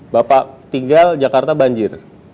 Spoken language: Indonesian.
bapak tinggal jakarta banjir